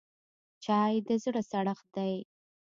چای د زړه سړښت دی